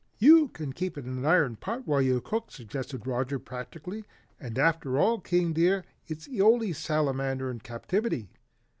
"You can keep it in an iron pot while you cook," suggested Roger practically, "and after all, King dear, it's the only Salamander in captivity.